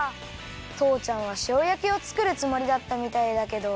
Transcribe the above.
とうちゃんはしおやきをつくるつもりだったみたいだけど。